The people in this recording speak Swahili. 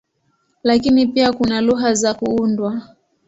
Lakini pia kuna lugha za kuundwa.